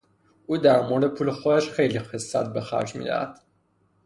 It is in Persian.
او در مورد پول خودش خیلی خست به خرج میدهد.